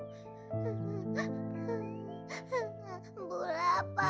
bu rapat bos